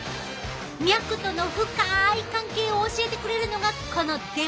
脈との深い関係を教えてくれるのがこのデバイス。